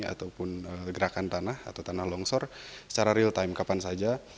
ataupun gerakan tanah atau tanah longsor secara real time kapan saja